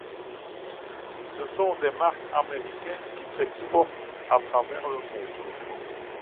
Ce sont des marques américaines qui s'exportent à travers le monde.